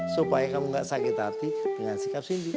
supaya kamu nggak sakit hati dengan sikap sindi